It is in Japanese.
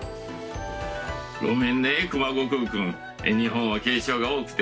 ごめんね熊悟空くん日本は敬称が多くて。